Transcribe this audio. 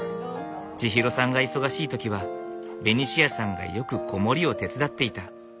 ちひろさんが忙しい時はベニシアさんがよく子守を手伝っていた。